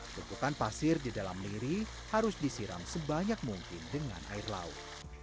tumpukan pasir di dalam niri harus disiram sebanyak mungkin dengan air laut